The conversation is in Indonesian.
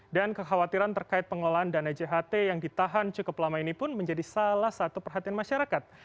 dan kekhawatiran terkait pengelolaan dana jht yang ditahan cukup lama ini pun menjadi salah satu perhatian masyarakat